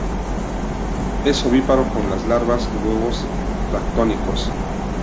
Es ovíparo con larvas y huevos planctónicos.